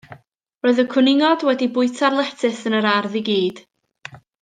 Roedd y cwningod wedi bwyta'r letys yn yr ardd i gyd.